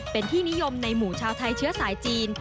เป็นที่นิยมในหมู่ชาวไทยเชื้อสายจีน